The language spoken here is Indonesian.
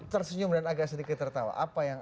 tersenyum dan agak sedikit tertawa apa yang